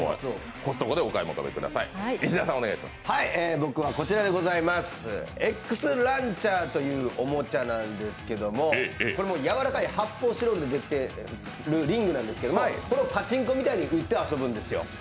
僕はこちらでございます「Ｘランチャー」というおもちゃなんですけどやわらかい発泡スチロールでできてるリングなんですけど、これをパチンコみたいに打って遊ぶんですよ。